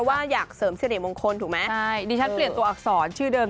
ว่าอยากเสริมสิริมงคลถูกไหมใช่ดิฉันเปลี่ยนตัวอักษรชื่อเดิม